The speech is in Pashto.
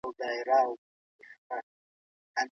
زه اوس روغ خواړه خورم.